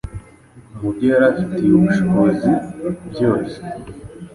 Mu byo yari afitiye ubushobozi byose,